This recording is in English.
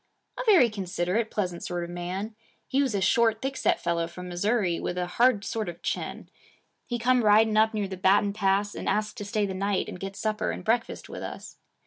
'A very considerate, pleasant sort of man. He was a short, thick set fellow from Missouri, with a hard sort of chin. He come riding up near the Baton Pass, and asked to stay the night and get supper and breakfast with us.